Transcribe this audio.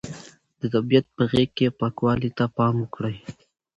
د طبیعت په غېږ کې پاکوالي ته پام وکړئ.